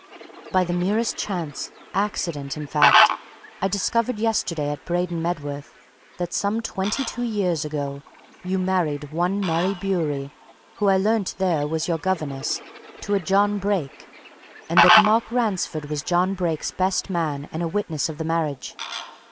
By the merest chance accident, in fact I discovered yesterday at Braden Medworth that some twenty two years ago you married one Mary Bewery, who, I learnt there, was your governess, to a John Brake, and that Mark Ransford was John Brake's best man and a witness of the marriage.